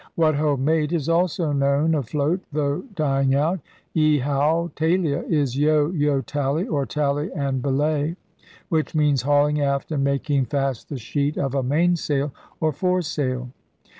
What ho, mate! is also known afloat, though dying out. Y howe! taylia! is Yo — ho! tally! or Tally and belay! which means hauling aft and making fast the sheet of a mainsail or foresail.